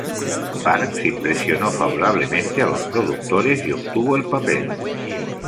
Parks impresionó favorablemente a los productores y obtuvo el papel.